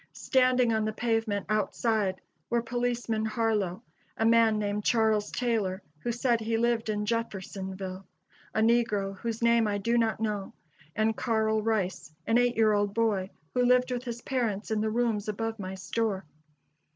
Standing on the pavement outside were policeman Harlow, a man named Charles Taylor, who said he lived in Jeffersonville, a negro whose name I do not know, and Carl Rice, an eight year old boy who lived with his parents in the rooms above my store.